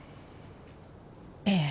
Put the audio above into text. ええ。